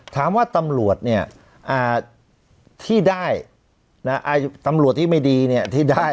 ถามว่าตำลวดเนี้ยอ่าที่ได้น่ะอ่าตำลวดที่ไม่ดีเนี้ยที่ได้